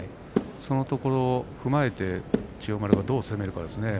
その点を踏まえて千代丸がどう攻めるかですね。